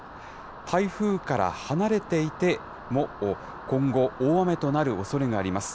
台風から離れていても今後、大雨となるおそれがあります。